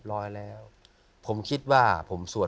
เก็บเงินซื้อพระองค์เนี่ยเก็บเงินซื้อพระองค์เนี่ย